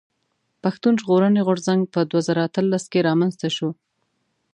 پښتون ژغورني غورځنګ په دوه زره اتلس کښي رامنځته شو.